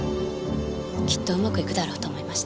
きっと上手くいくだろうと思いました。